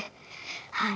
はい。